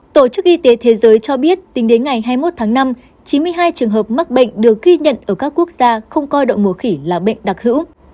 tổ chức y tế thế giới cho biết tính đến ngày hai mươi một tháng năm chín mươi hai trường hợp mắc bệnh được ghi nhận ở các quốc gia không coi đậu mùa khỉ là bệnh đặc hữu